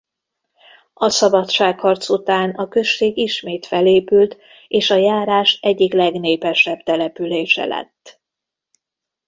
A szabadságharc után a község ismét felépült és a járás egyik legnépesebb települése lett.